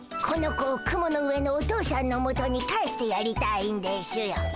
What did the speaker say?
この子を雲の上のお父さんのもとに帰してやりたいんでしゅよ。